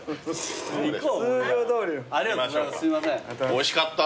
おいしかった。